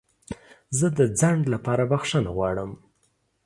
زه د ځنډ لپاره بخښنه غواړم.